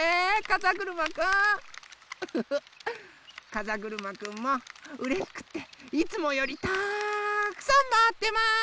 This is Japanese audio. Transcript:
かざぐるまくんもうれしくっていつもよりたくさんまわってます！